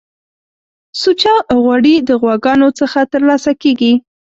سوچه غوړی د غواګانو څخه ترلاسه کیږی